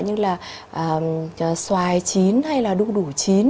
như là xoài chín hay là đu đủ chín